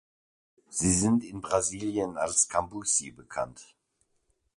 Sie sind in Brasilien als "Cambuci" bekannt.